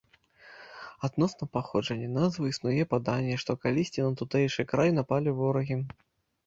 Адносна паходжання назвы існуе паданне, што калісьці на тутэйшы край напалі ворагі.